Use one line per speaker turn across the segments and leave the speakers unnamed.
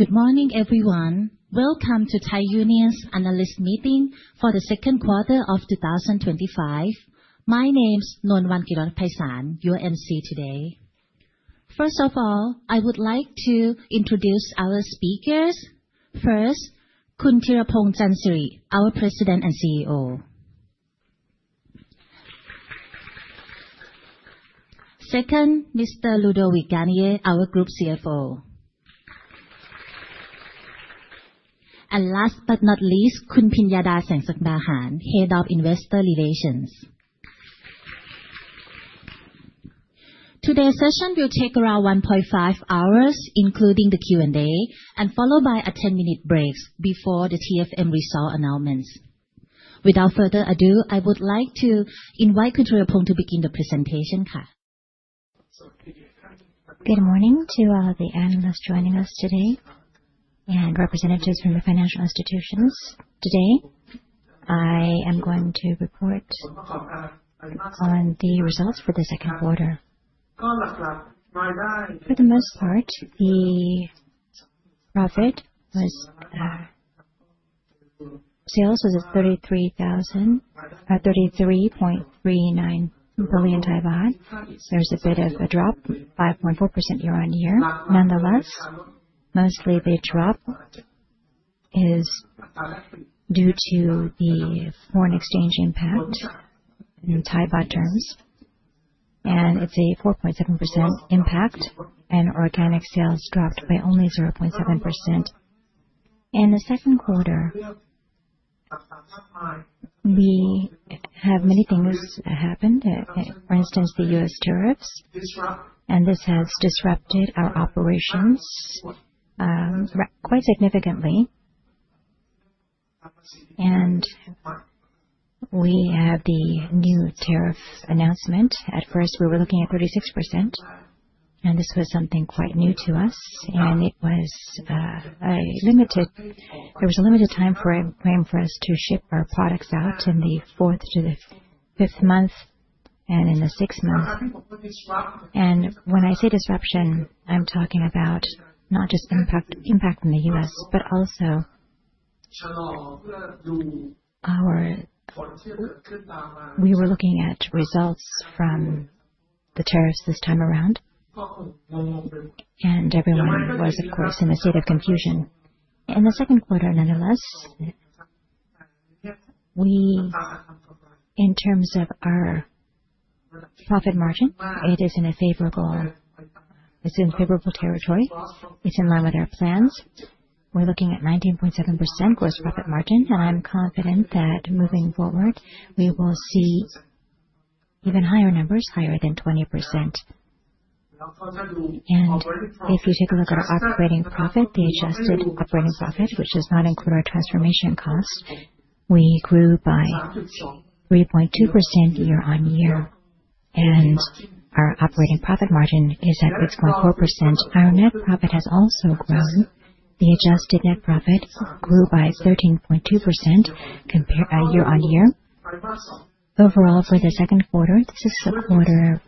Good morning, everyone. Welcome to Thai Union's analyst meeting for the second quarter of 2025. My name is Nuanwan Giriwath-Paisan, your emcee today. First of all, I would like to introduce our speakers. First, Khun Thiraphong Chansiri, our President and CEO. Second, Mr. Ludovic Garnier, our Group CFO. Last but not least, Khun Phinyada Sengsekbahan, Head of Investor Relations. Today's session will take around 1.5 hours, including the Q&A, and will be followed by a 10-minute break before the TFM result announcements. Without further ado, I would like to invite Khun Thiraphong to begin the presentation, ka.
Good morning to all the analysts joining us today and representatives from the financial institutions. Today, I am going to report on the results for the second quarter. For the most part, the profit was, sales was at 33.39 billion baht. There's a bit of a drop, 5.4% year-on-year. Nonetheless, mostly the drop is due to the foreign exchange impact in Thai Baht terms. It's a 4.7% impact, and organic sales dropped by only 0.7%. In the second quarter, we have many things that happened. For instance, the U.S. tariffs, and this has disrupted our operations quite significantly. We have the new tariff announcement. At first, we were looking at 36%, and this was something quite new to us. It was a limited, there was a limited time frame for us to ship our products out in the fourth to the fifth month and in the sixth month. When I say disruption, I'm talking about not just impact from the U.S., but also we were looking at results from the tariffs this time around. Everyone was, of course, in a state of confusion. In the second quarter, nonetheless, in terms of our profit margin, it is in favorable territory. It's in line with our plans. We're looking at 19.7% gross profit margin. I'm confident that moving forward, we will see even higher numbers, higher than 20%. If we take a look at our operating profit, the adjusted operating profit, which does not include our transformation costs, we grew by 3.2% year-on-year. Our operating profit margin is at 6.4%. Our net profit has also grown. The adjusted net profit grew by 13.2% year-on-year. Overall, for the second quarter, this is a quarter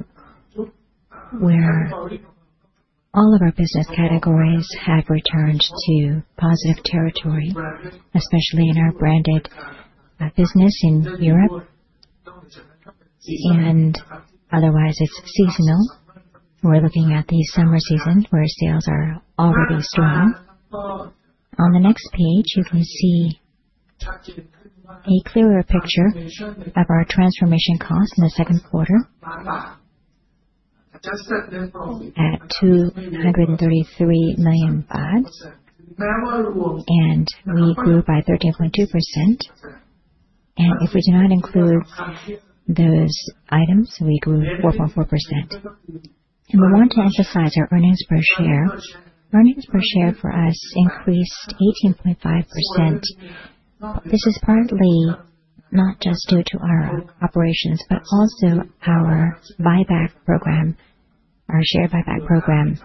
where all of our business categories have returned to positive territory, especially in our branded business in Europe. Otherwise, it's seasonal. We're looking at the summer season where sales are already strong. On the next page, you can see a clearer picture of our transformation costs in the second quarter at 233 million baht. We grew by 13.2%. If we do not include those items, we grew 4.4%. We want to emphasize our earnings per share. Earnings per share for us increased 18.5%. This is partly not just due to our operations, but also our buyback program, our share buyback program.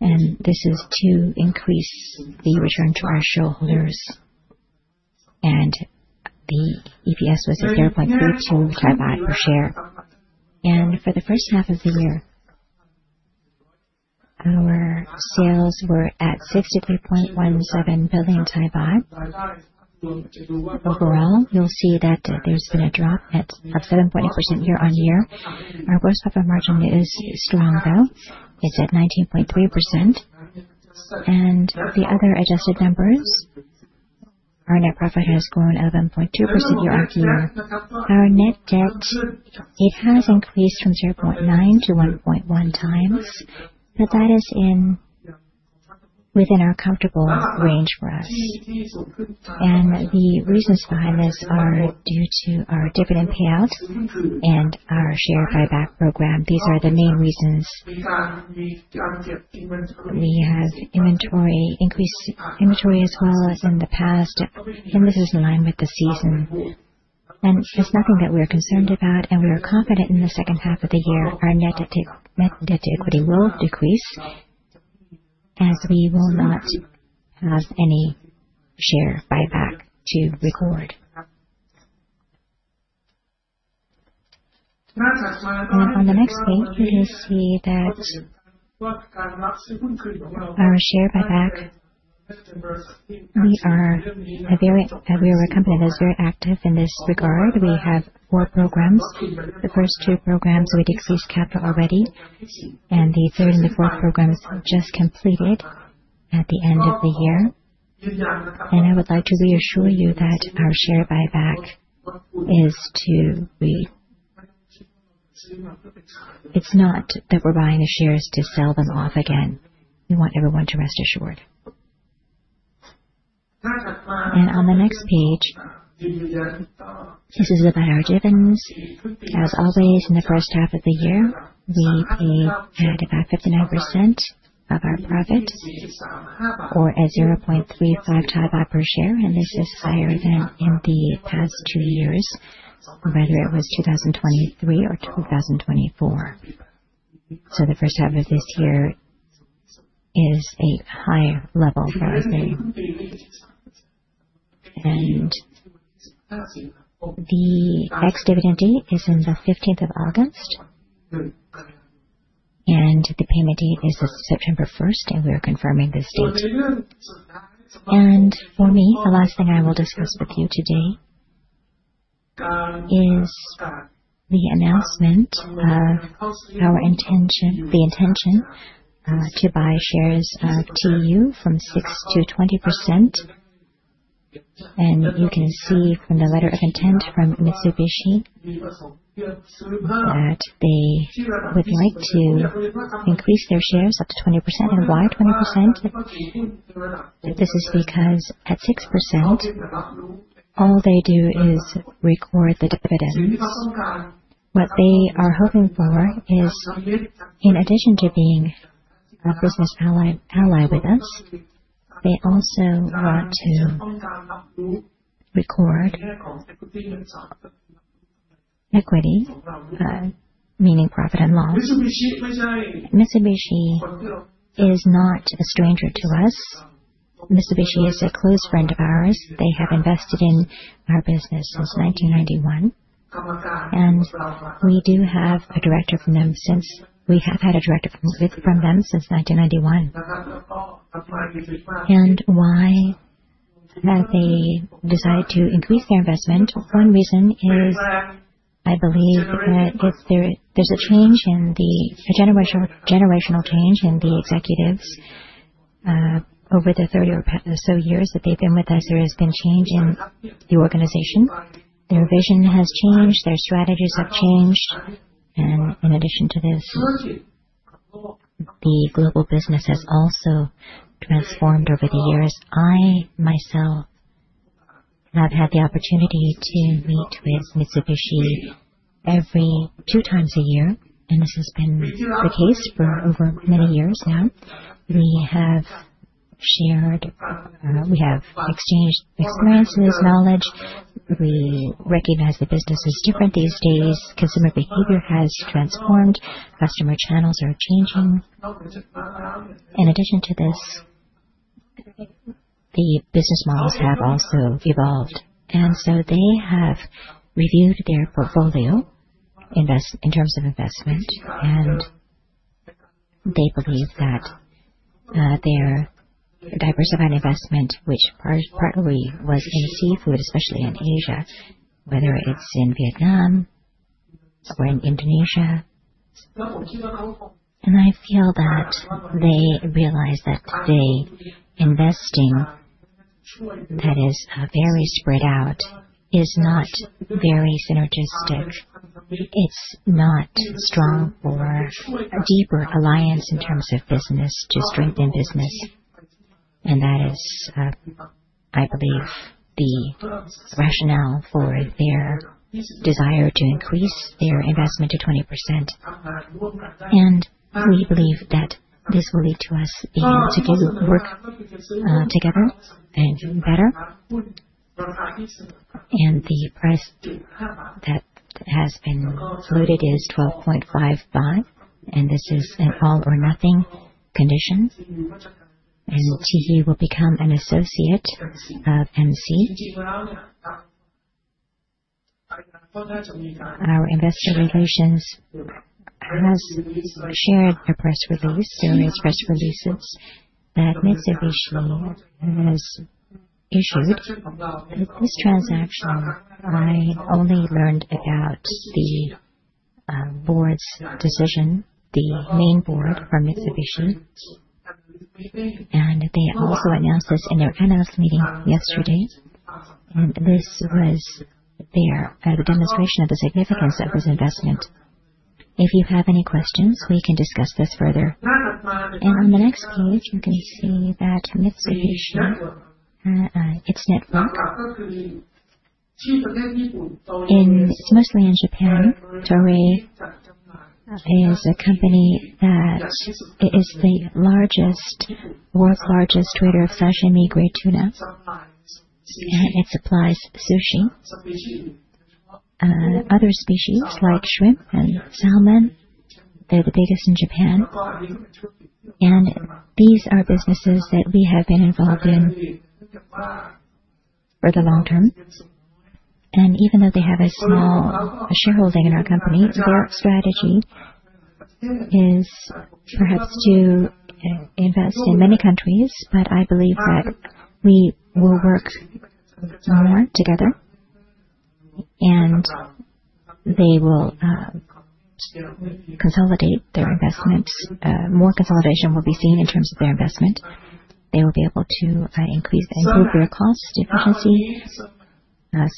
This is to increase the return to our shareholders. The EPS was at THB 0.32 per share. For the first half of the year, our sales were at 63.17 billion baht. Overall, you'll see that there's been a drop of 7.8% year-on-year. Our gross profit margin is strong though. It's at 19.3%. The other adjusted numbers, our net profit has grown 11.2% year-on-year. Our net debt, it has increased from 0.9x-1.1x. That is within our comfortable range for us. The reasons behind this are due to our dividend payouts and our share buyback program. These are the main reasons. We have inventory increase, inventory as well as in the past. This is in line with the season. It's nothing that we're concerned about. We are confident in the second half of the year, our net debt to equity will decrease as we will not have any share buyback to record. On the next page, you will see that our share buyback, we are a company that is very active in this regard. We have four programs. The first two programs, we did seize capital already. The third and the fourth programs were just completed at the end of the year. I would like to reassure you that our share buyback is to be, it's not that we're buying the shares to sell them off again. We want everyone to rest assured. On the next page, this is about our dividends. As always, in the first half of the year, we paid 59% of our profit or THB 0.35 per share. This is higher than in the past two years, whether it was 2023 or 2024. The first half of this year is a higher level for our value. The ex-dividend date is on the 15th of August. The payment date is September 1st. We are confirming this date. For me, the last thing I will discuss with you today is the announcement of our intention, the intention, to buy shares, to you from 6%-20%. You can see from the letter of intent from Mitsubishi that they would like to increase their shares up to 20%. Why 20%? This is because at 6%, all they do is record the dividends. What they are hoping for is, in addition to being a business ally with us, they also want to record equity, meaning profit and loss. Mitsubishi is not a stranger to us. Mitsubishi is a close friend of ours. They have invested in our business since 1991. We do have a director from them, since we have had a director from them since 1991. Why have they decided to increase their investment? One reason is, I believe that there's a change in the generational change in the executives. Over the 30 or so years that they've been with us, there has been change in the organization. Their vision has changed. Their strategies have changed. In addition to this, the global business has also transformed over the years. I, myself, have had the opportunity to meet with Mitsubishi every two times a year. This has been the case for over many years now. We have shared, we have exchanged experiences, knowledge. We recognize the business is different these days. Consumer behavior has transformed. Customer channels are changing. In addition to this, the business models have also evolved. They have reviewed their portfolio in terms of investments. They believe that their diversified investment, which partly was in seafood, especially in Asia, whether it's in Vietnam or Indonesia. I feel that they realize that investing that is very spread out is not very synergistic. It's not strong for deeper alliance in terms of business to strengthen business. That is, I believe, the rationale for their desire to increase their investment to 20%. We believe that this will lead to us being able to do work together and doing better. The price that has been saluted is 12.55. This is an all-or-nothing condition. He will become an associate of MCT. Our investor relations has shared a press release, certainly press releases that Mitsubishi has issued. This transaction, I only learned about the board's decision, the main board from Mitsubishi. They also announced this in their analyst meeting yesterday. This was their demonstration of the significance of this investment. If you have any questions, we can discuss this further. On the next page, you can see that Mitsubishi is, its network, and it's mostly in Japan. Torii is a company that is the largest, world's largest trader of sashimi grade tuna. It supplies sushi and other species like shrimp and salmon. They're the biggest in Japan. These are businesses that we have been involved in for the long term. Even though they have a small shareholding in our company, the board's strategy is perhaps to invest in many countries. I believe that we will work together. They will consolidate their investments. More consolidation will be seen in terms of their investment. They will be able to increase and improve their costs efficiency.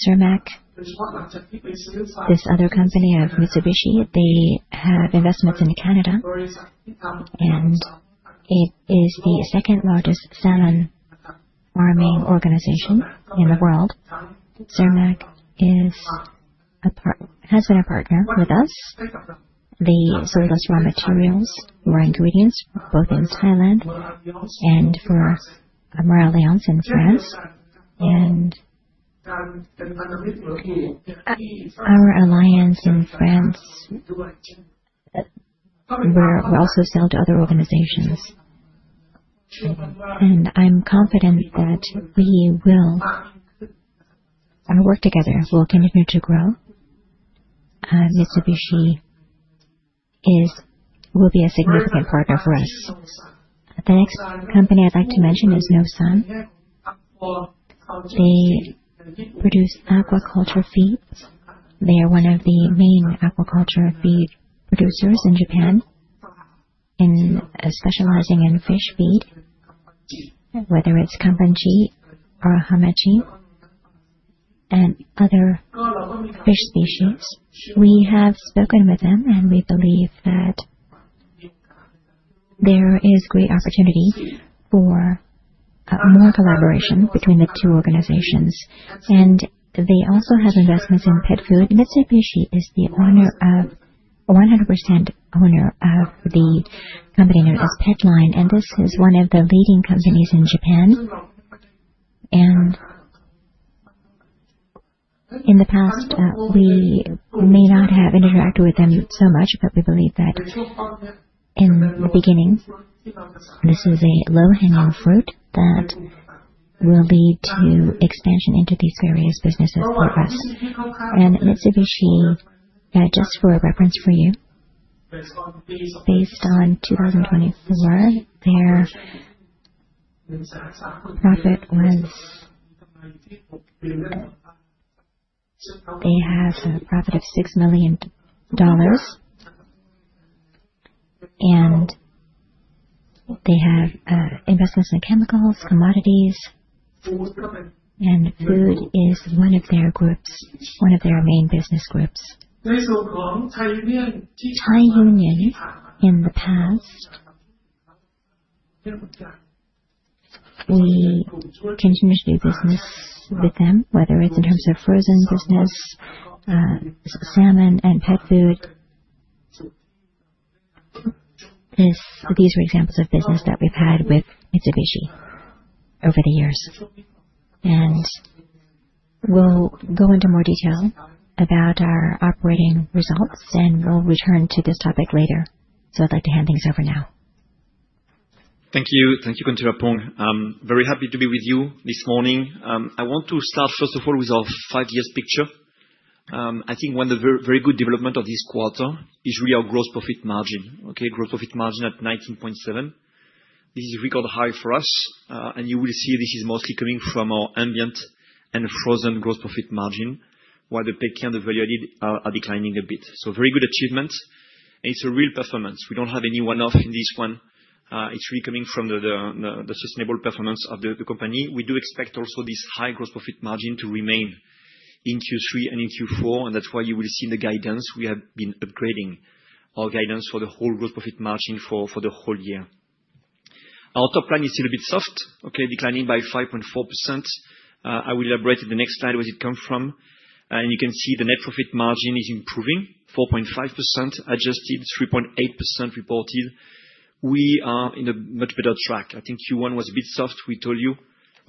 Cermaq, this other company of Mitsubishi. They have investments in Canada. It is the second largest salmon farming organization in the world. Cermaq has been a partner with us. They sell us raw materials, raw ingredients, both in Thailand and for MerAlliance in France. MerAlliance in France, where we also sell to other organizations. I'm confident that we will work together as we'll continue to grow. Mitsubishi will be a significant partner for us. The next company I'd like to mention is Nosan. They produce aquaculture feed. They are one of the main aquaculture feed producers in Japan and specializing in fish feed, whether it's kanpanchi or hamachi and other fish species. We have spoken with them. We believe that there is great opportunity for more collaboration between the two organizations. They also have investments in pet food. Mitsubishi is the 100% owner of the company known as Petline. This is one of the leading companies in Japan. In the past, we may not have interacted with them so much, but we believe that in the beginning, this is a low-hanging fruit that will lead to expansion into these various businesses for us. Mitsubishi, just for a reference for you, based on 2024, their profit wins they have a profit of $6 million. They have investments in chemicals, commodities, and food is one of their group, one of their main business group. Thai Union in the past, we continued to do business with them, whether it's in terms of frozen business, salmon, and pet food. These are examples of business that we've had with Mitsubishi over the years. We'll go into more detail about our operating results. We'll return to this topic later. I'd like to hand things over now.
Thank you. Thank you, Khun Thirapong. I'm very happy to be with you this morning. I want to start, first of all, with our five-year picture. I think one of the very good developments of this quarter is really our gross profit margin, okay? Gross profit margin at 19.7%. This is a record high for us. You will see this is mostly coming from our ambient seafood and frozen seafood gross profit margin, while the pet care and the value-added are declining a bit. Very good achievement, and it's a real performance. We don't have any one-off in this one. It's really coming from the sustainable performance of the company. We do expect also this high gross profit margin to remain in Q3 and in Q4. That's why you will see in the guidance we have been upgrading our guidance for the whole gross profit margin for the whole year. Our top line is still a bit soft, okay, declining by 5.4%. I will elaborate in the next slide where it comes from. You can see the net profit margin is improving, 4.5% adjusted, 3.8% reported. We are in a much better track. I think Q1 was a bit soft. We told you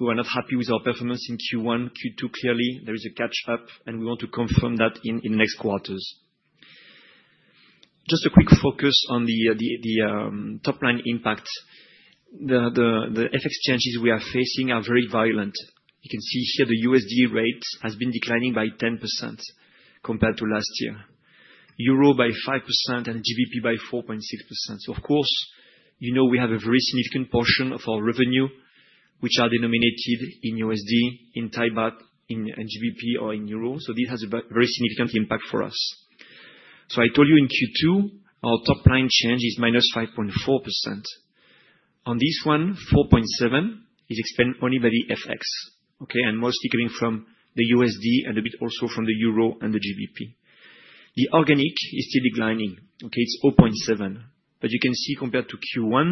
we were not happy with our performance in Q1. Q2, clearly, there is a catch-up. We want to confirm that in the next quarters. Just a quick focus on the top line impact. The FX changes we are facing are very violent. You can see here the USD rate has been declining by 10% compared to last year, euro by 5%, and GBP by 4.6%. Of course, you know we have a very significant portion of our revenue, which are denominated in USD, in Thai baht, in GBP, or in euro. This has a very significant impact for us. I told you in Q2, our top line change is -5.4%. On this one, 4.7% is explained only by the FX, okay, and mostly coming from the USD and a bit also from the euro and the GBP. The organic is still declining, okay? It's 0.7%. You can see compared to Q1,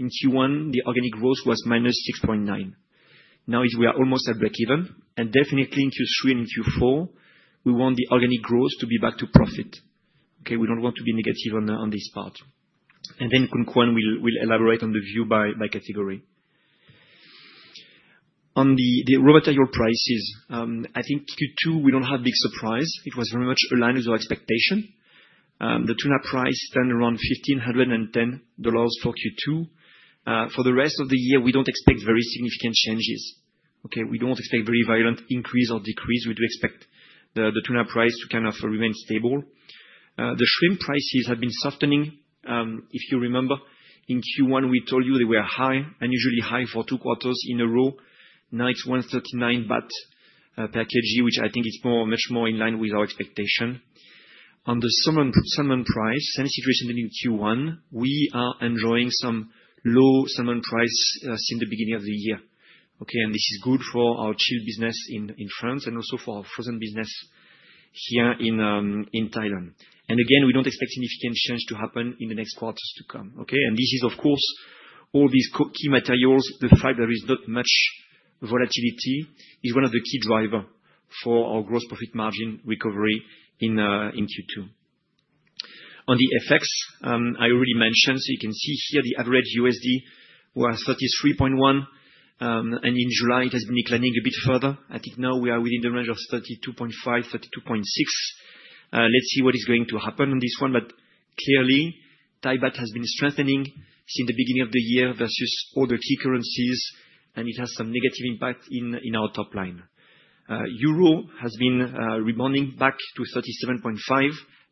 in Q1, the organic growth was -6.9%. Now, we are almost at break-even. Definitely, in Q3 and in Q4, we want the organic growth to be back to profit, okay? We don't want to be negative on this part. Khun Kuan will elaborate on the view by category. On the raw material prices, I think Q2, we don't have a big surprise. It was very much aligned with our expectation. The tuna price spent around $1,510 for Q2. For the rest of the year, we don't expect very significant changes, okay? We don't expect a very violent increase or decrease. We do expect the tuna price to kind of remain stable. The shrimp prices have been softening. If you remember, in Q1, we told you they were high and usually high for two quarters in a row. Now, it's 139 baht per kg, which I think is much more in line with our expectation. On the salmon price, same situation as in Q1. We are enjoying some low salmon price since the beginning of the year, okay? This is good for our chilled business in France and also for our frozen business here in Thailand. We don't expect significant change to happen in the next quarters to come, okay? All these key materials, the fact that there is not much volatility, is one of the key drivers for our gross profit margin recovery in Q2. On the FX, I already mentioned, you can see here the average USD was $33.1. In July, it has been declining a bit further. I think now we are within the range of $32.5, $32.6. Let's see what is going to happen on this one. Clearly, Thai baht has been strengthening since the beginning of the year versus all the key currencies. It has some negative impact in our top line. Euro has been rebounding back to 37.5.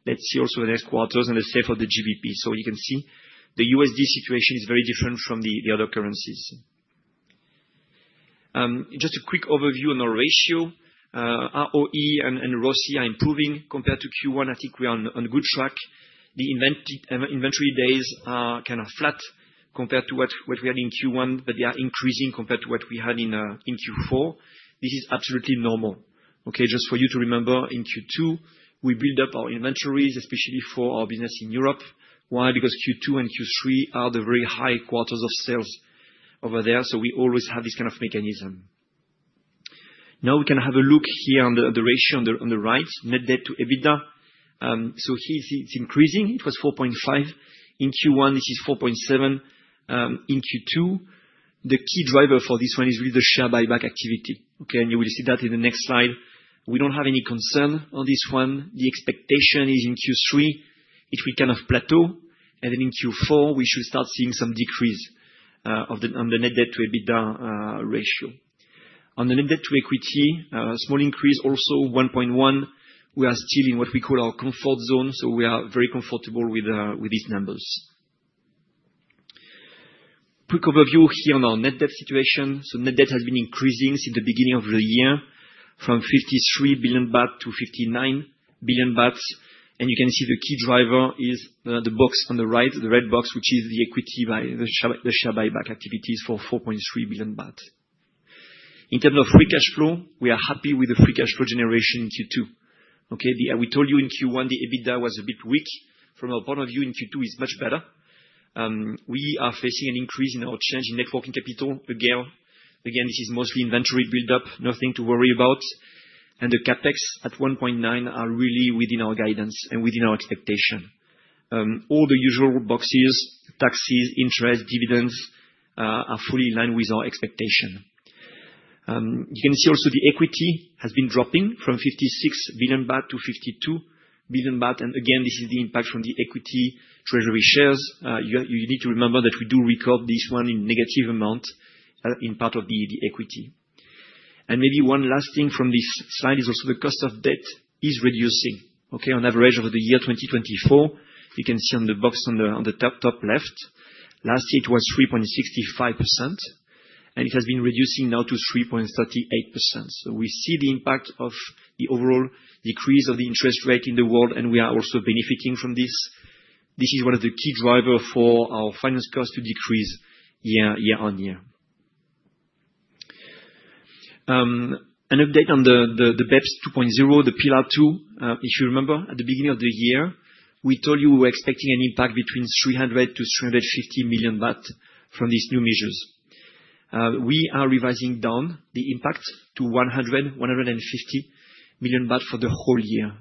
Let's see also the next quarters and let's say for the GBP. You can see the USD situation is very different from the other currencies. Just a quick overview on our ratio. ROE and ROCE are improving compared to Q1. I think we are on a good track. The inventory days are kind of flat compared to what we had in Q1, but they are increasing compared to what we had in Q4. This is absolutely normal, okay? Just for you to remember, in Q2, we build up our inventories, especially for our business in Europe. Why? Because Q2 and Q3 are the very high quarters of sales over there. We always have this kind of mechanism. Now, we can have a look here on the ratio on the right, net debt to EBITDA. Here, it's increasing. It was 4.5 in Q1. This is 4.7 in Q2. The key driver for this one is really the share buyback activity, okay? You will see that in the next slide. We don't have any concern on this one. The expectation is in Q3, it will kind of plateau. In Q4, we should start seeing some decrease on the net debt to EBITDA ratio. On the net debt to equity, a small increase, also 1.1. We are still in what we call our comfort zone. We are very comfortable with these numbers. Quick overview here on our net debt situation. Net debt has been increasing since the beginning of the year from 53 billion-59 billion baht. You can see the key driver is the box on the right, the red box, which is the equity by the share buyback activities for 4.3 billion baht. In terms of free cash flow, we are happy with the free cash flow generation in Q2, okay? We told you in Q1, the EBITDA was a bit weak. From our point of view, in Q2, it's much better. We are facing an increase in our change in net working capital. This is mostly inventory buildup, nothing to worry about. The CapEx at 1.9 billion is really within our guidance and within our expectation. All the usual boxes, taxes, interest, dividends are fully in line with our expectation. You can see also the equity has been dropping from 56 billion-52 billion baht. This is the impact from the equity treasury shares. You need to remember that we do record this one in a negative amount in part of the equity. Maybe one last thing from this slide is also the cost of debt is reducing, okay? On average over the year 2024, you can see on the box on the top left, last year, it was 3.65%. It has been reducing now to 3.38%. We see the impact of the overall decrease of the interest rate in the world. We are also benefiting from this. This is one of the key drivers for our finance costs to decrease year on year. An update on the BEPS 2.0, the Pillar Two. If you remember, at the beginning of the year, we told you we were expecting an impact between 300 million-350 million baht from these new measures. We are revising down the impact to 100 million-150 million baht for the whole year.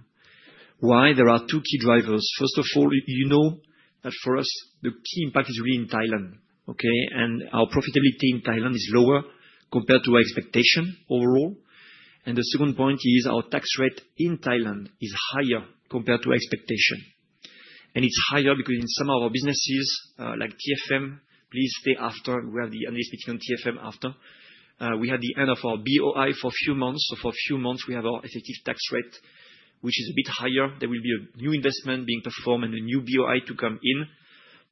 Why? There are two key drivers. First of all, you know that for us, the key impact is really in Thailand, okay? Our profitability in Thailand is lower compared to our expectation overall. The second point is our tax rate in Thailand is higher compared to expectation. It's higher because in some of our businesses, like TFM, please stay after. We are the analyst speaking on TFM after. We had the end of our BOI for a few months. For a few months, we have our effective tax rate, which is a bit higher. There will be a new investment being performed and a new BOI to come in.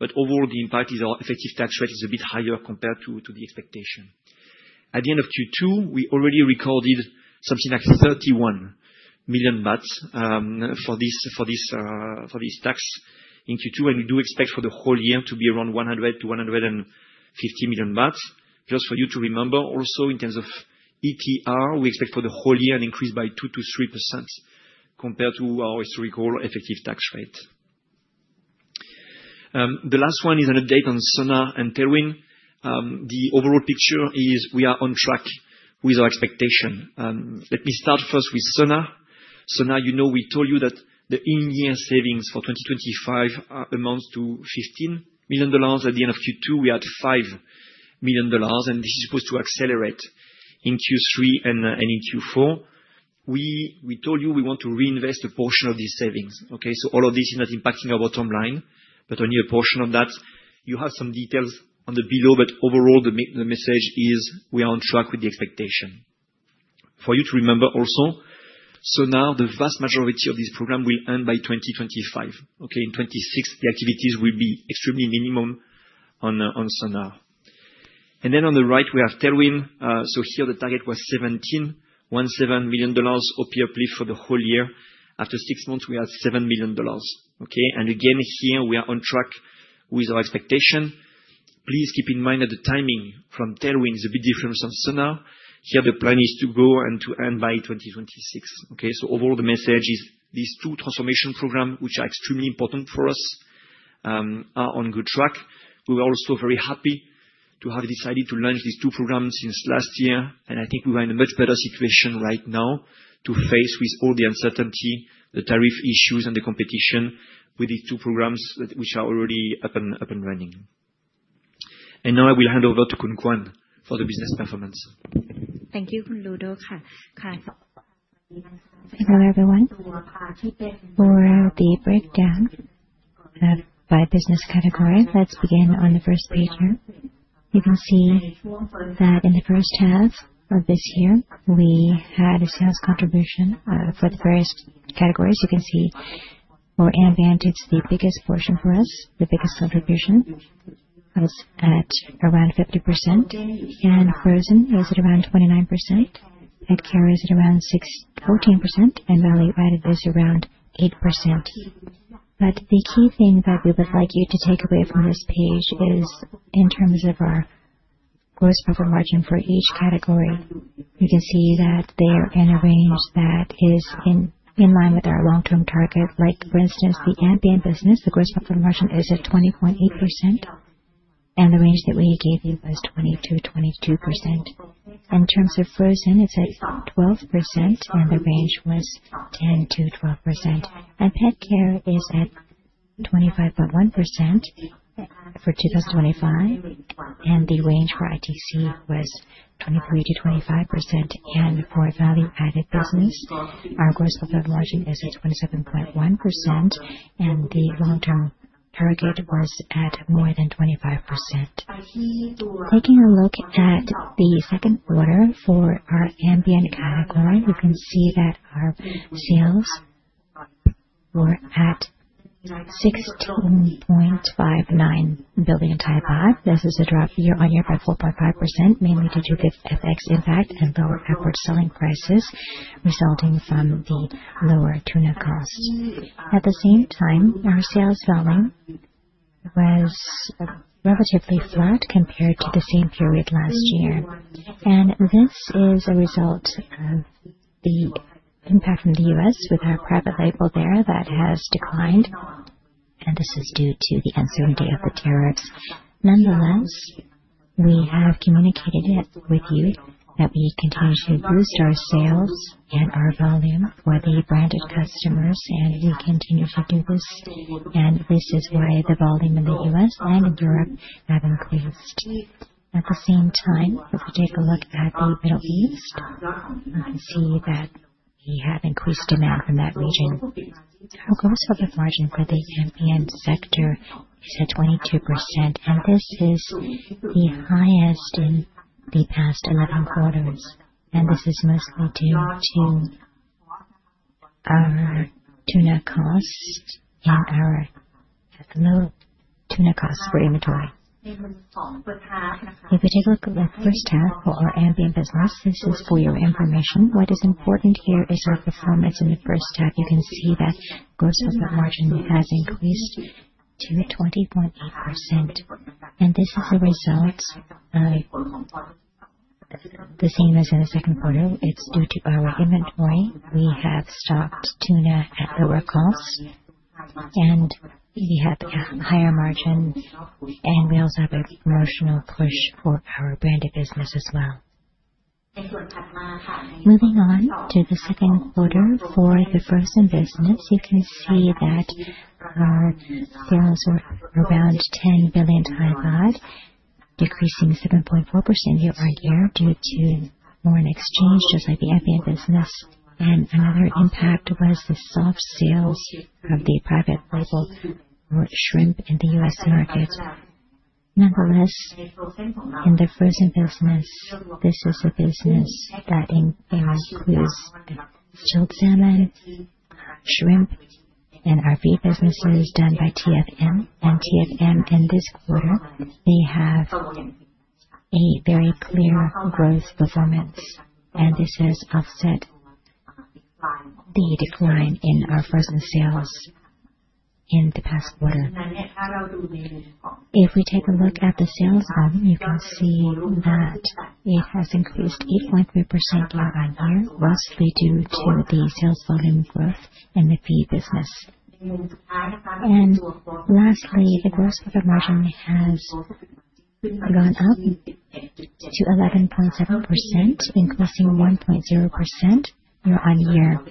Overall, the impact is our effective tax rate is a bit higher compared to the expectation. At the end of Q2, we already recorded something like 31 million baht for this tax in Q2. We do expect for the whole year to be around 100 million-150 million baht. Just for you to remember, also, in terms of EPR, we expect for the whole year an increase by 2%-3% compared to our historical effective tax rate. The last one is an update on Sona and Tailwind. The overall picture is we are on track with our expectation. Let me start first with Sona. Sona, you know we told you that the in-year savings for 2025 amounts to $15 million. At the end of Q2, we had $5 million. This is supposed to accelerate in Q3 and in Q4. We told you we want to reinvest a portion of these savings, okay? All of this is not impacting our bottom line, but only a portion of that. You have some details on the below, but overall, the message is we are on track with the expectation. For you to remember also, Sona, the vast majority of this program will end by 2025, okay? In 2026, the activities will be extremely minimum on Sona. On the right, we have Tailwind. Here, the target was $17 million OP uplift for the whole year. After six months, we had $7 million, okay? Again, here, we are on track with our expectation. Please keep in mind that the timing from Tailwind is a bit different from Sona. Here, the plan is to grow and to end by 2026, okay? Overall, the message is these two transformation programs, which are extremely important for us, are on good track. We were also very happy to have decided to launch these two programs since last year. I think we are in a much better situation right now to face with all the uncertainty, the tariff issues, and the competition with these two programs which are already up and running. Now, I will hand over to Khun Kuan for the business performance.
Thank you, Khun Ludovic, for the breakdown by business categories. Let's begin on the first page. You can see that in the first half of this year, we had a sales contribution for the various categories. You can see for ambient, it's the biggest portion for us, the biggest contribution. It was at around 50%. Same here in frozen, it was at around 29%. PetCare is at around 14%. And value-added is around 8%. The key thing that we would like you to take away from this page is in terms of our gross profit margin for each category. You can see that they are in a range that is in line with our long-term target. For instance, the ambient business, the gross profit margin is at 20.8%. The range that we gave you was 20%-22%. In terms of frozen, it's at 12% when the range was 10%-12%. PetCare is at 25.1% for 2025. The range for ITC was 23%-25%. For value-added business, our gross profit margin is at 27.1%. The long-term target was at more than 25%. Taking a look at the second quarter for our ambient category, you can see that our sales were at 16.59 billion baht. This is a drop year-on-year by 4.5%, mainly due to this FX impact and our effort selling prices resulting from the lower tuna costs. At the same time, our sales volume was relatively flat compared to the same period last year. This is a result of the impact from the U.S. with our private label there that has declined. This is due to the uncertainty of the tariffs. Nonetheless, we have communicated with you that we continue to boost our sales and our volume for the branded customers and to continue to do this. This is why the volume in the U.S. and in Europe have increased. At the same time, take a look at the Middle East. You can see that we have increased demand from that region. Our gross profit margin for the ambient sector is at 22%. This is the highest in the past 11 quarters. This is mostly due to our tuna costs and our tuna costs for inventory. If we take a look at the first half for our ambient business, this is for your information. What is important here is our performance in the first half. You can see that gross profit margin has increased to 20.8%. This is a result. The same as in the second quarter. It's due to our inventory. We have stocked tuna at lower costs. We have a higher margin. We also have a commercial push for our branded business as well. Moving on to the second quarter for the first investments, you can see that our sales are around 10 billion, decreasing 7.4% year-on-year due to foreign exchange, just like the ambient seafood business. Another impact was the soft sales of the private label for shrimp in the U.S. markets. Nonetheless, in the frozen business, this is a business that has used chilled salmon, shrimp, and our beef businesses done by TFM. TFM, in this quarter, has a very clear growth performance. This has offset the decline in our frozen seafood sales in the past quarter. If we take a look at the sales volume, you can see that it has increased 8.3% year-on-year, mostly due to the sales volume growth in the feed business. Lastly, the gross profit margin has gone up to 11.7%, increasing 1.0% year-on-year.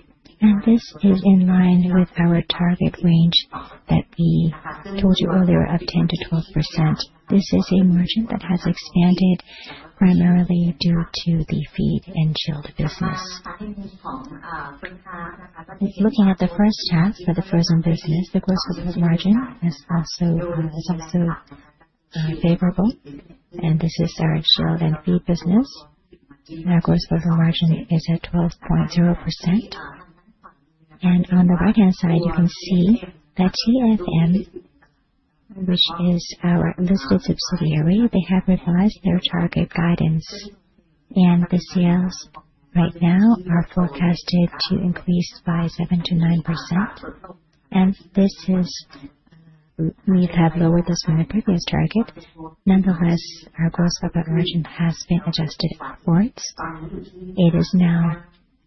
This is in line with our target range that we told you earlier of 10%-12%. This is a margin that has expanded primarily due to the feed and shelf business. If you're looking at the first half for the frozen seafood business, the gross profit margin has also been favorable. This is our shrimp and feed business. Our gross profit margin is at 12.0%. On the right-hand side, you can see that TFM, which is our industry subsidiary, has revised their target guidance. The sales right now are forecasted to increase by 7%-9%. We have lowered this from the previous target. Nonetheless, our gross profit margin has been adjusted for it. It is now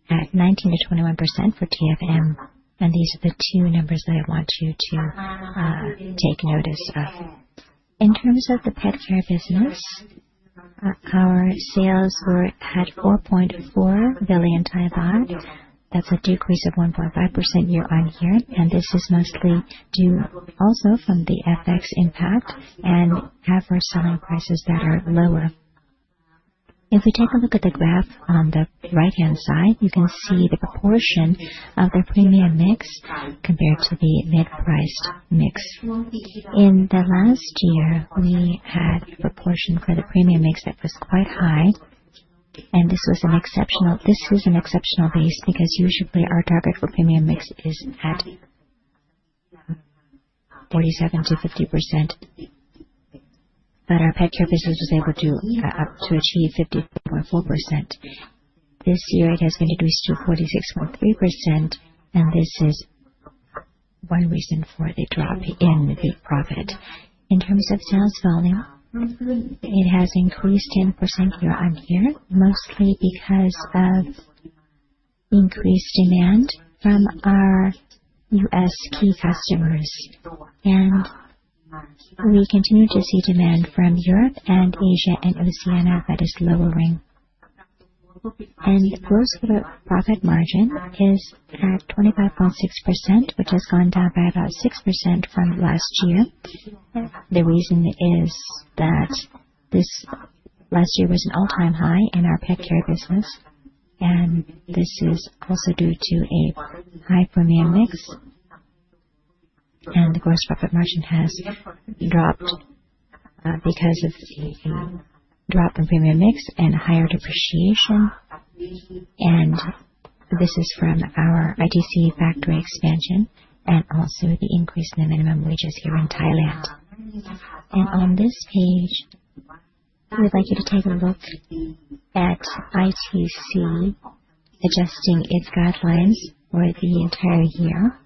at 19%- 21% for TFM. These are the two numbers that I want you to take notice of. In terms of the PetCare business, our sales were at 4.4 billion baht. That's a decrease of 1.5% year-on-year. This is mostly due also from the FX impact and effort selling prices that are lower. If we take a look at the graph on the right-hand side, you can see the proportion of the premium mix compared to the mid-price mix. In the last year, we had a proportion for the premium mix that was quite high. This was an exceptional rate because usually, our target for premium mix is at 47%-50%. Our PetCare business was able to achieve 50.4%. This year, it has been decreased to 46.3%. This is one reason for the drop in the profit. In terms of sales volume, it has increased 10% year-on-year, mostly because of increased demand from our U.S. key customers. We continue to see demand from Europe and Asia and Oceania that is lowering. The gross profit margin is at 25.6%, which is down by about 6% from last year. The reason is that last year was an all-time high in our PetCare business. This is also due to a high premium mix. The gross profit margin has dropped because of the drop in premium mix and higher depreciation. This is from our ITC factory expansion and also the increase in the minimum wages here in Thailand. On this page, we would like you to take a look at ITC adjusting its guidelines for the entire year.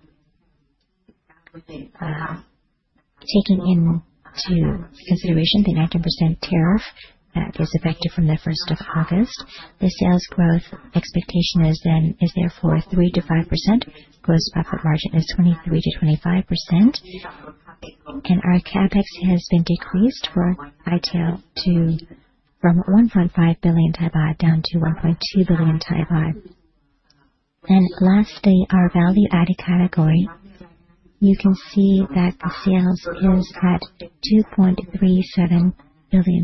Taking into consideration the 19% tariff that was effective from the 1st of August, the sales growth expectation is therefore 3%-5%. Gross profit margin is 23%-25%. Our CapEx has been decreased from 1.5 billion baht down to 1.2 billion baht. Lastly, our value-added category, you can see that the sales has had THB 2.37 billion,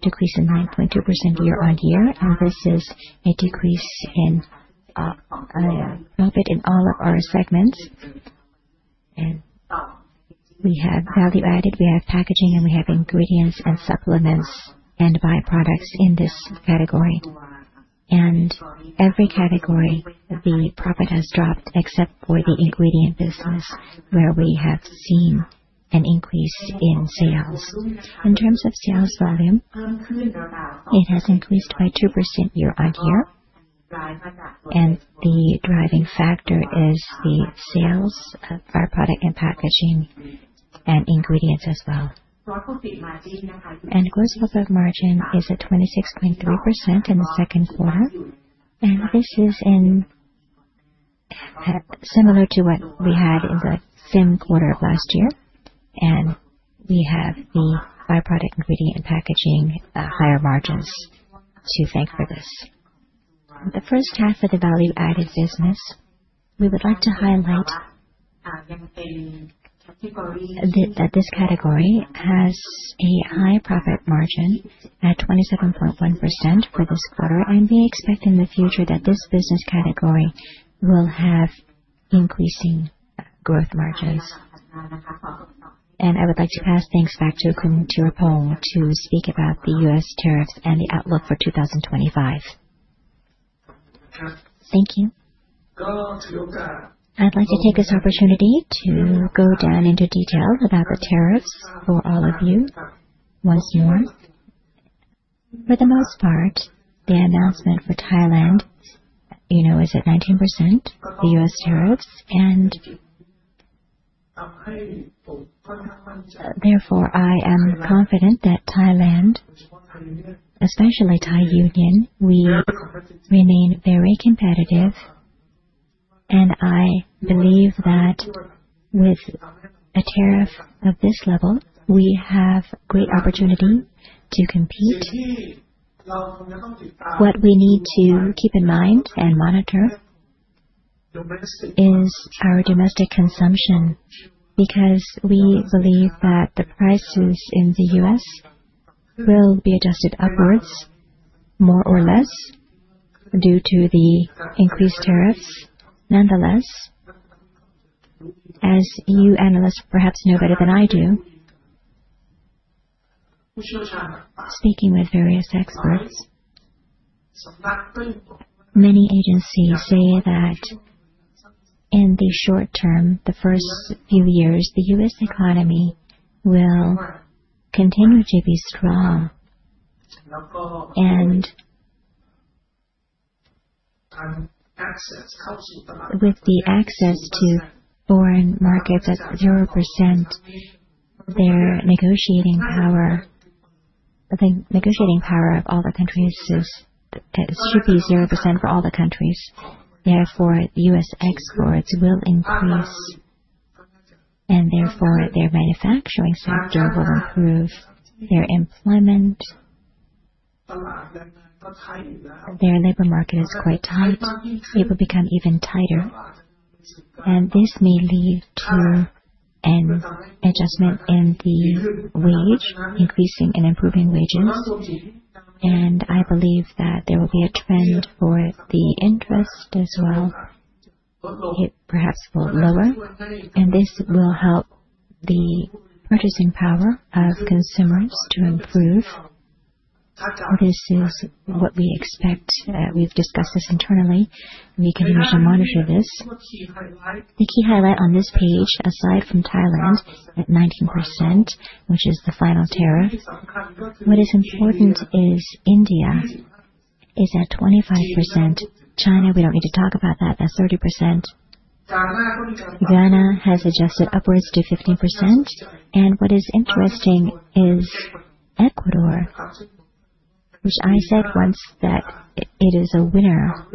decreasing 9.2% year-on-year. This is a decrease in profit in all of our segments. We have value-added, we have packaging, and we have ingredients and supplements and byproducts in this category. Every category, the profit has dropped except for the ingredient business where we have seen an increase in sales. In terms of sales volume, it has increased by 2% year-on-year. The driving factor is the sales of byproduct and packaging and ingredients as well. The gross profit margin is at 26.3% in the second quarter. This is similar to what we had in the same quarter of last year. We have the byproduct ingredient and packaging higher margins to thank for this. In the first half of the value-added business, we would like to highlight that this category has a high profit margin at 27.1% for this quarter. We expect in the future that this business category will have increasing growth margins. I would like to pass things back to Khun Thiraphong to speak about the U.S. tariffs and the outlook for 2025. Thank you. I'd like to take this opportunity to go down into detail about the tariffs for all of you. For the most part, the announcement for Thailand, you know, is at 19%, the U.S. tariffs. Therefore, I am confident that Thailand, especially Thai Union, will remain very competitive. I believe that with a tariff of this level, we have great opportunity to compete. What we need to keep in mind and monitor is our domestic consumption because we believe that the prices in the U.S. will be adjusted upwards more or less due to the increased tariffs. Nonetheless, as you analysts perhaps know better than I do, speaking with various experts, many agencies say that in the short term, the first few years, the U.S. economy will continue to be strong. With the access to foreign markets at 0%, their negotiating power of all the countries is that it should be 0% for all the countries. Therefore, U.S. exports will increase. Therefore, their manufacturing sector will improve, their employment, their labor market is quite tight. It will become even tighter. This may lead to an adjustment in the wage, increasing and improving wages. I believe that there will be a trend for the interest as well. It perhaps will lower. This will help the purchasing power of consumers to improve. This is what we expect. We've discussed this internally. We continue to monitor this. The key highlight on this page, aside from Thailand at 19%, which is the final tariff, what is important is India is at 25%. China, we don't need to talk about that, at 30%. Ghana has adjusted upwards to 15%. What is interesting is Ecuador, which I said once that it is a winner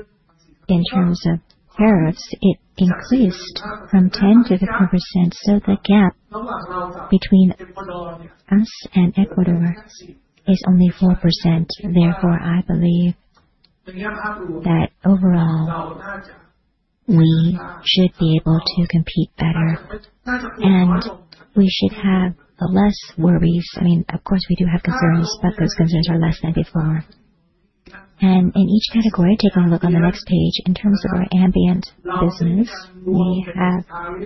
in terms of tariffs. It increased from 10%-15%. The gap between us and Ecuador is only 4%. Therefore, I believe that overall, we should be able to compete better. We should have less worries. I mean, of course, we do have concerns, but those concerns are less than before. In each category, take a look on the next page. In terms of our ambient seafood business, we have a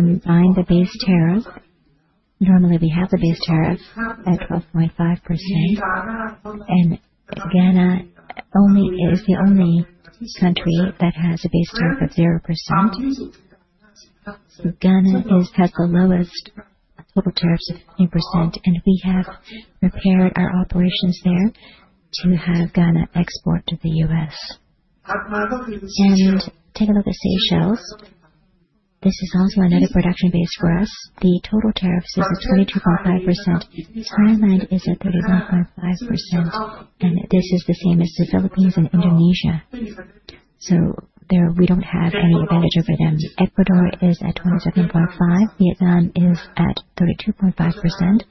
refined base tariff. Normally, we have the base tariff at 12.5%. Ghana is the only country that has a base tariff at 0%. Uganda always has the lowest total tariff of 15%. We have prepared our operations there to have Ghana export to the U.S. Same here. Take a look at Seychelles. This is also another production base for us. The total tariff is at 22.5%. Thailand is at 31.5%. This is the same as the Philippines and Indonesia. There, we don't have any advantage over them. Ecuador is at 27.5%. Vietnam is at 32.5%.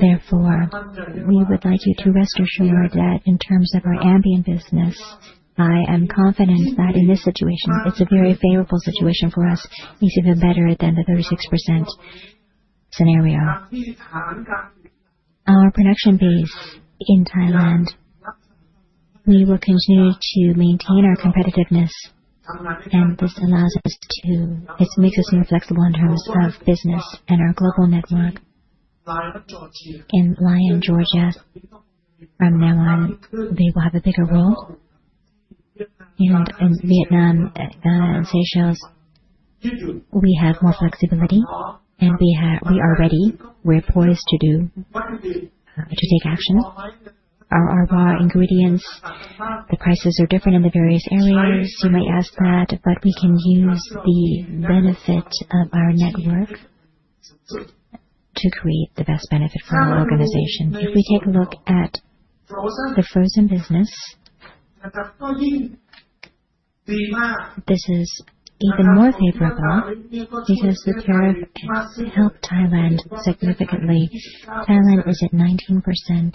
Therefore, we would like you to rest assured that in terms of our ambient business, I am confident that in this situation, it's a very favorable situation for us. We should have better than the 36% scenario. Our production base in Thailand, we will continue to maintain our competitiveness. Again, this allows us to, it make us more flexible in terms of business and our global network in Lyons, Georgia, from now on, they will have a bigger role. In Vietnam and Seychelles, we have more flexibility. We are ready. We're poised to take action. Our raw ingredients, the prices are different in the various areas. You might ask that, but we can use the benefit of our network to create the best benefit for our organization. If we take a look at the frozen business, this is even more favorable because the tariff helps Thailand significantly. Thailand is at 19%.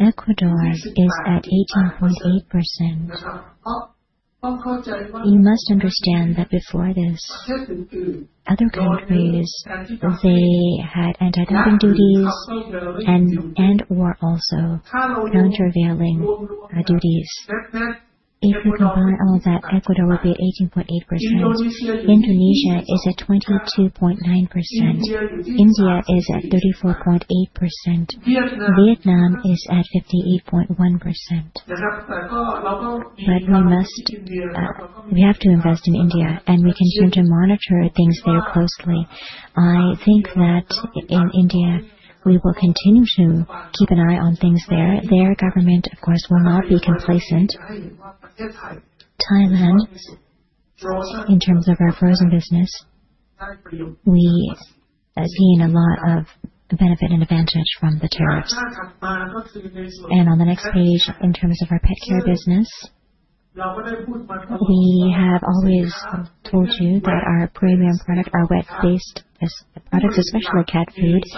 Ecuador is at 18.8%. You must understand that before this, other countries had anti-dumping duties and/or also countervailing duties. If we combine all of that, Ecuador will be 18.8%. Indonesia is at 22.9%. India is at 34.8%. Vietnam is at 58.1%. We have to invest in India. We continue to monitor things there closely. I think that in India, we will continue to keep an eye on things there. Their government, of course, will not be complacent. Thailand, in terms of our frozen business, we have seen a lot of benefit and advantage from the tariffs. On the next page, in terms of our PetCare business, we have always told you that our premium product, our wet-based products, especially cat foods,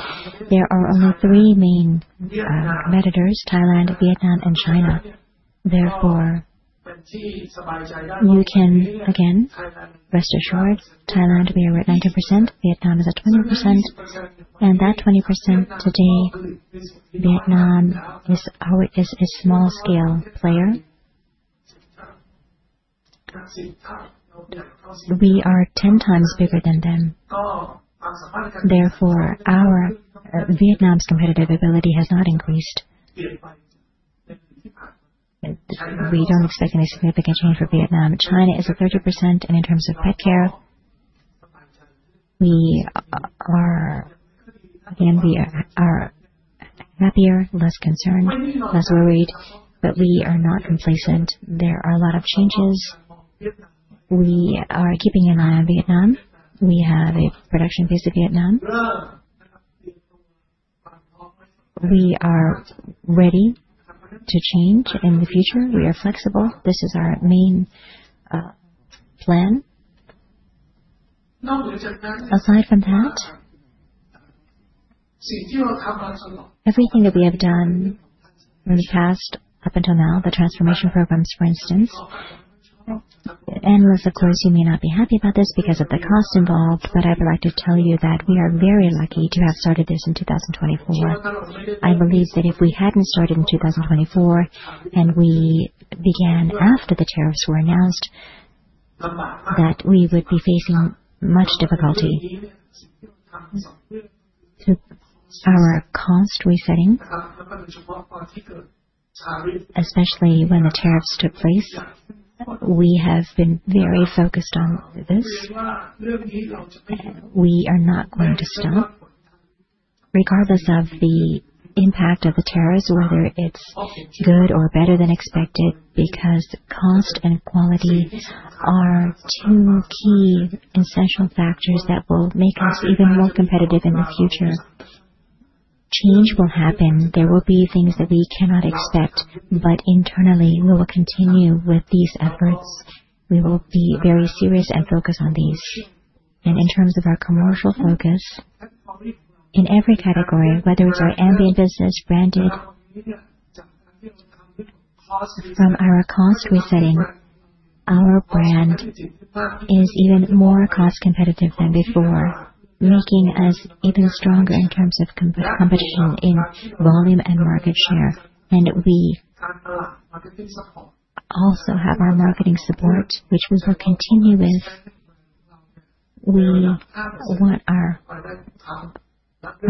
there are only three main competitors: Thailand, Vietnam, and China. Therefore, you can again rest assured Thailand may be at 19%. Vietnam is at 20%. That 20% today, Vietnam is a small-scale player. We are 10x bigger than them. Therefore, Vietnam's competitive ability has not increased. We don't expect any significant change for Vietnam. China is at 30%. In terms of PetCare, we are again, we are happier, less concerned, less worried. We are not complacent. There are a lot of changes. We are keeping an eye on Vietnam. We have a production base in Vietnam. We are ready to change in the future. We are flexible. This is our main plan. Aside from tariffs, everything that we have done in the past up until now, the transformation programs, for instance, analysts, of course, you may not be happy about this because of the cost involved. I would like to tell you that we are very lucky to have started this in 2024. I believe that if we hadn't started in 2024 and we began after the tariffs were announced, we would be facing much difficulty. Our cost resetting, especially when the tariffs took place, we have been very focused on this. We are not going to stop regardless of the impact of the tariffs, whether it's good or better than expected, because cost and quality are two key essential factors that will make us even more competitive in the future. Change will happen. There will be things that we cannot expect. Internally, we will continue with these efforts. We will be very serious and focused on these. In terms of our commercial focus in every category, whether it's our ambient business, branded, from our cost resetting, our brand is even more cost-competitive than before, making us even stronger in terms of competition in volume and market share. We also have our marketing support, which we will continue with. We want our 5%.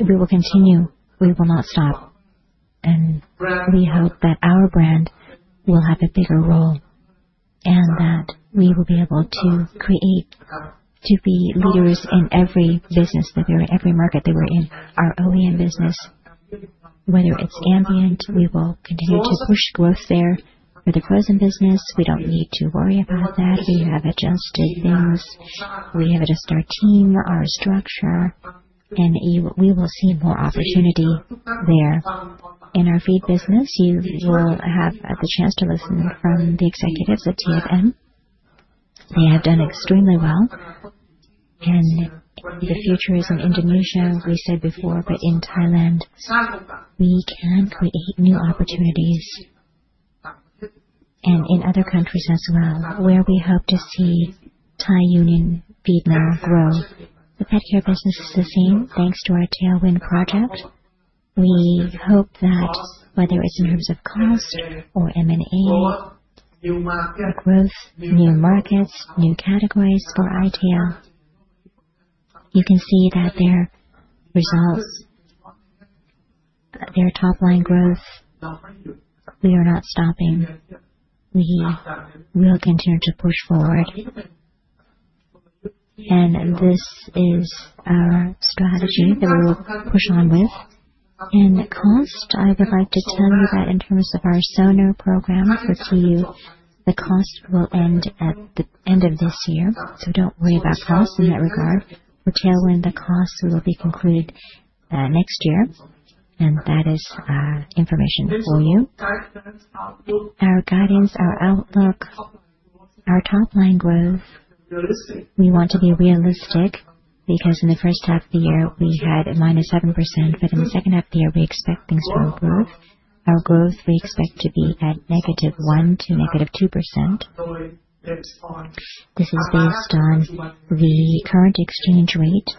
We will continue. We will not stop. We hope that our brand will have a bigger role and that we will be able to create to be leaders in every business, every market that we're in, our OEM business. Whether it's ambient seafood, we will continue to push growth there. For the frozen seafood business, we don't need to worry about that. We have adjusted things. We have a star team, our structure, and we will see more opportunity there. In our feed business, you will have the chance to listen from the executives at TFM. They have done extremely well. The future is in Indonesia, we said before, but in Thailand, we can create new opportunities and in other countries as well, where we hope to see Thai Union Feedmill grow. The PetCare business is the same thanks to our Tailwind project. We hope that whether it's in terms of cost or M&A growth, new markets, new categories for ITC, you can see that their results, their top line growth, we are not stopping. We will continue to push forward. This is our strategy that we will push on with. In the cost, I would like to tell you that in terms of our Sona programs, the cost will end at the end of this year. Don't worry about cost in that regard. For Tailwind, the cost will be concluded next year. That is information for you. Our guidance, our outlook, our top line growth, we want to be realistic because in the first half of the year, we had a -7%. In the second half of the year, we expect things to improve. Our growth, we expect to be at -1% to -2%. This is based on the current exchange rate.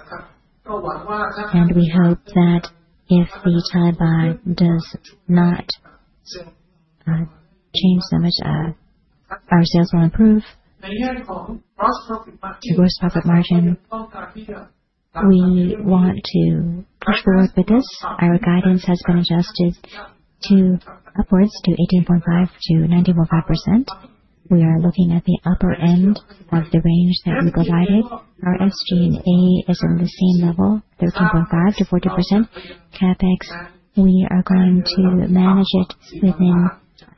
We hope that if the Thai Baht does not change so much, our sales will improve. The gross profit margin, we want to push forward with this. Our guidance has been adjusted upwards to 18.5%-19.5%. We are looking at the upper end of the range that we provided. Our SG&A is on the same level, 13.5%-14%. CapEx, we are going to manage it within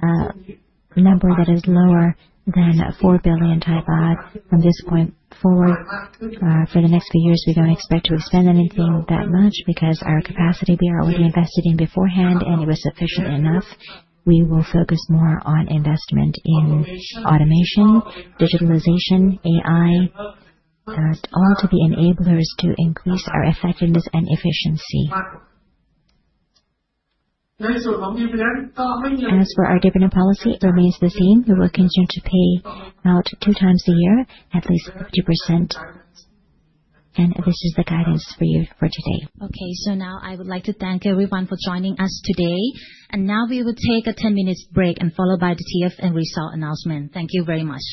a number that is lower than 4 billion baht from this point forward. For the next few years, we don't expect to extend anything that much because our capacity, we are already invested in beforehand, and it was sufficient enough. We will focus more on investment in automation, digitalization, AI, as all to be enablers to increase our effectiveness and efficiency. As for our dividend policy, it remains the same. We will continue to pay out two times a year, at least 50%. This is the guidance for you for today.
Okay. I would like to thank everyone for joining us today. We will take a 10-minute break, followed by the TFM result announcement. Thank you very much.